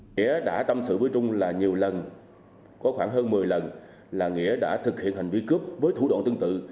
phan văn trung là nhiều lần có khoảng hơn một mươi lần là nghĩa đã thực hiện hành vi cướp với thủ đoạn tương tự